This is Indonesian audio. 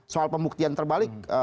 soal pembuktian terbalik